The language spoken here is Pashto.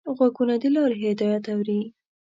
غوږونه د لارې هدایت اوري